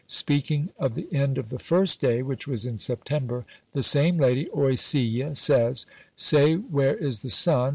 Speaking of the end of the first day (which was in September) the same lady Oysille says, "Say where is the sun?